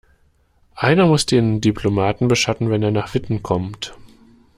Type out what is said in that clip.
Einer muss den Diplomaten beschatten, wenn er nach Witten kommt.